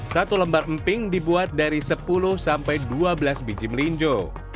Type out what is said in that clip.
satu lembar emping dibuat dari sepuluh sampai dua belas biji melinjo